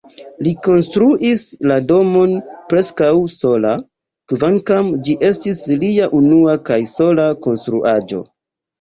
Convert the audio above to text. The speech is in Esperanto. Li konstruis la domon preskaŭ sola, kvankam ĝi estis lia unua kaj sola konstruaĵo.